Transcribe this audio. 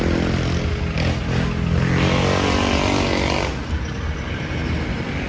เบ๊กขนาดเราได้ยุ่งเขียวกับพี่เบ๊กค่ะง่ายเลย